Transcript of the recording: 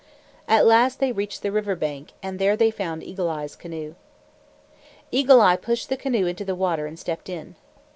At last they reached the river bank, and there they found Eagle Eye's canoe. Eagle Eye pushed the canoe into the water and stepped in.